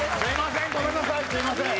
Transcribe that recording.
すいません！